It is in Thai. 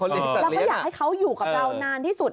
เราก็อยากให้เขาอยู่กับเรานานที่สุด